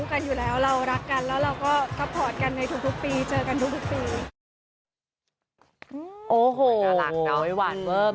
คือว่าแฟนคลับก็น่ารักเหมือนเดิมทุกคนไม่น่ารักเหรอ